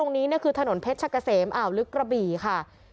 นี่คือถนนเพชรกะเสมอ่าวลึกกระบี่ค่ะ